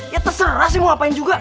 ya terserah sih mau ngapain juga